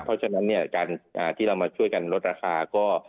เพราะฉะนั้นเนี่ยการที่เรามาช่วยกันลดราคาก็